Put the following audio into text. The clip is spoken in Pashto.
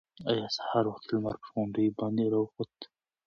ایا سهار وختي لمر پر غونډیو باندې راوخوت؟